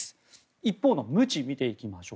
一方のムチ、見ていきましょう。